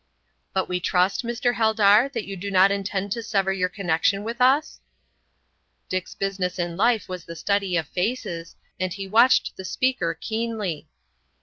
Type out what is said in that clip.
"But we trust, Mr. Heldar, that you do not intend to sever your connection with us?" Dick's business in life was the study of faces, and he watched the speaker keenly.